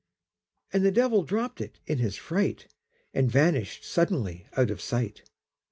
And the Devil dropped it in his fright, And vanished suddenly out of sight!